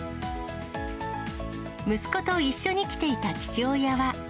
息子と一緒に来ていた父親は。